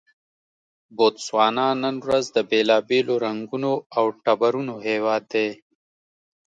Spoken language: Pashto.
بوتسوانا نن ورځ د بېلابېلو رنګونو او ټبرونو هېواد دی.